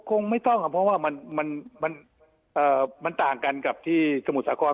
คงไม่ต้องครับเพราะว่ามันต่างกันกับที่สมุทรสาคร